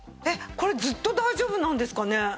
これずっと大丈夫なんですかね？